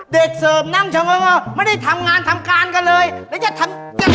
เด็กเสิร์มนั่งเฉงอรอไม่ได้ทำงานทำการกันเลยแล้วจะทำอย่าเอา